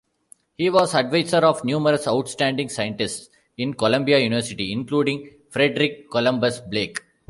He was adviser of numerous outstanding scientists in Columbia University including Frederic Columbus Blake.